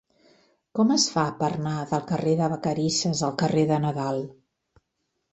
Com es fa per anar del carrer de Vacarisses al carrer de Nadal?